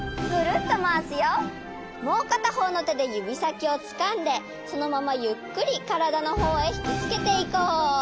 もうかたほうのてでゆびさきをつかんでそのままゆっくりからだのほうへひきつけていこう。